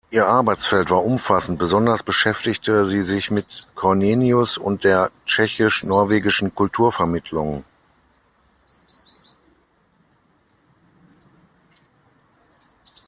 Ihr Arbeitsfeld war umfassend, besonders beschäftigte sie sich mit Comenius und der tschechisch-norwegischen Kulturvermittlung.